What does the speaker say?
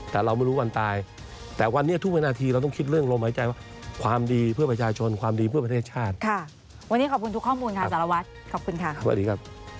ถ้ามีแคนกรรมเชิญที่ต้องการธิบายเราอีก